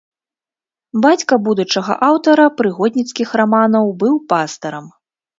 Бацька будучага аўтара прыгодніцкіх раманаў быў пастарам.